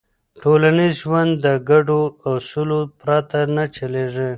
ټولنیز ژوند د ګډو اصولو پرته نه چلېږي.